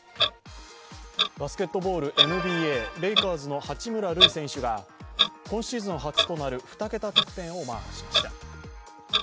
バスケットボールＮＢＡ、レイカーズの八村塁選手が今シーズン初となる２桁得点をマークしました。